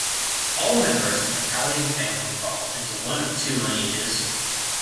All members of the Paliam family fall into one of two lineages.